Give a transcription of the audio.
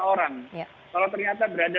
orang kalau ternyata berada